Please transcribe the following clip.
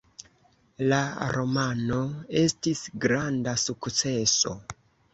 La romano estis granda sukceso.